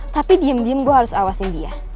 tapi diem diem gue harus awasin dia